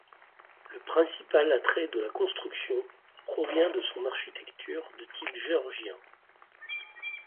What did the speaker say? Le principal attrait de la construction provient de son architecture de type géorgien.